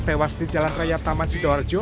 tewas di jalan raya taman sidoarjo